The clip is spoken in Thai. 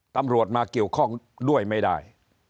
ตำรวจมาเกี่ยวข้องด้วยไม่ได้